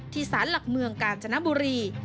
สารหลักเมืองกาญจนบุรี